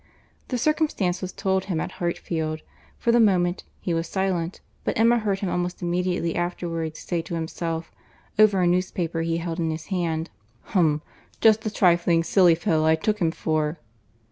The circumstance was told him at Hartfield; for the moment, he was silent; but Emma heard him almost immediately afterwards say to himself, over a newspaper he held in his hand, "Hum! just the trifling, silly fellow I took him for."